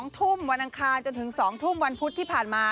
๒ทุ่มวันอังคารจนถึง๒ทุ่มวันพุธที่ผ่านมา